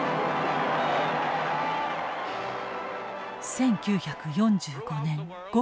１９４５年５月８日。